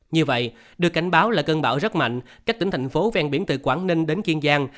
như vậy được cảnh báo là cơn bão rất mạnh các tỉnh thành phố ven biển từ quảng ninh đến kiên giang